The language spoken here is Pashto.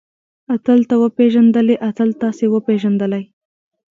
اتل تۀ وپېژندلې؟ اتل تاسې وپېژندلئ؟